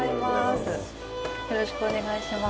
よろしくお願いします。